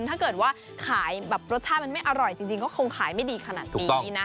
ถ้าเกิดว่าขายแบบรสชาติมันไม่อร่อยจริงก็คงขายไม่ดีขนาดนี้นะ